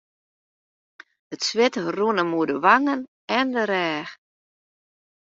It swit rûn him oer de wangen en de rêch.